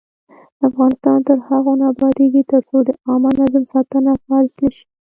افغانستان تر هغو نه ابادیږي، ترڅو د عامه نظم ساتنه فرض نشي.